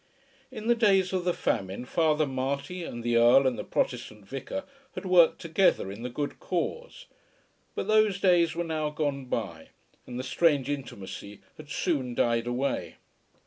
In the days of the famine Father Marty and the Earl and the Protestant vicar had worked together in the good cause; but those days were now gone by, and the strange intimacy had soon died away.